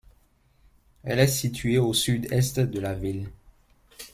Elle est située au sud-est de la ville.